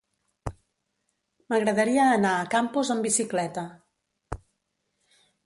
M'agradaria anar a Campos amb bicicleta.